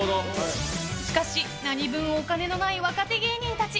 しかし、何ぶんお金のない若手芸人たち。